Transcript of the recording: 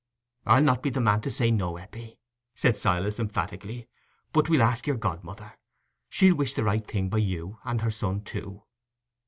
"I'll not be the man to say no, Eppie," said Silas, emphatically; "but we'll ask your godmother. She'll wish the right thing by you and her son too."